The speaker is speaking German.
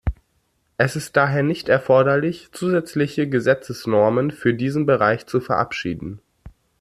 Es ist daher nicht erforderlich, zusätzliche Gesetzesnormen für diesen Bereich zu verabschieden.